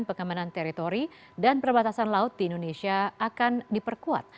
pengamanan teritori dan perbatasan laut di indonesia akan diperkuat